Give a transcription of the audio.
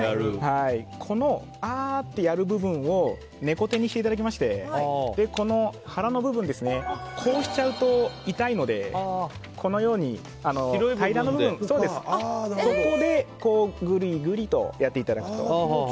この、あーってやる部分を猫手にしていただきましてこの腹の部分をこうしちゃうと痛いので、平らな部分でグリグリとやっていただくと。